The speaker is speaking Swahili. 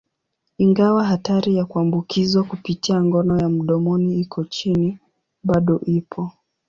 Ingawa hatari ya kuambukizwa kupitia ngono ya mdomoni iko chini, bado ipo.